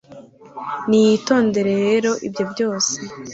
Niyitondere rero ibyo byose